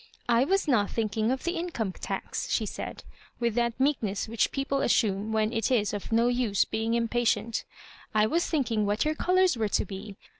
" I was not thinking of the Income tax,'* she said, with that meekness which people assume when it is of no use being impatient. '* I was think ing what your colours were to be.